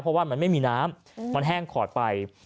เพราะว่ามันไม่มีน้ำมันแห้งขอดไป